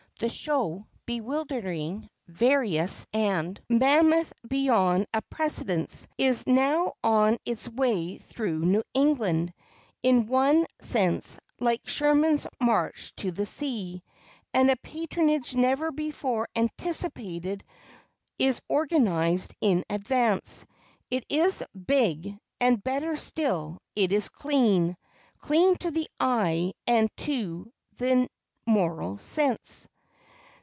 The show, bewildering, various and mammoth beyond a precedent, is now on its way through New England, in one sense, like "Sherman's march to the sea," and a patronage never before anticipated is organized in advance. It is big, and, better still, it is clean clean to the eye and to the moral sense.